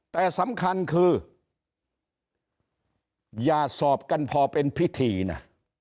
แต่สำคัญคืออย่าสอบกันพอเป็นพิธีนะ